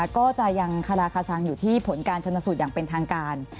ก็จะยังคาราคาซังอยู่ที่ผลการชนสูตรอย่างเป็นทางการ